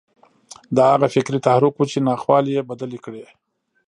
دا هغه فکري تحرک و چې ناخوالې يې بدلې کړې.